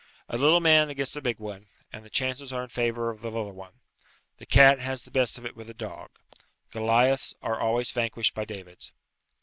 A little man against a big one, and the chances are in favour of the little one. The cat has the best of it with a dog. Goliaths are always vanquished by Davids.